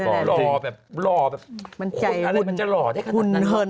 หล่อแบบหุ่นใจคุณเฉิน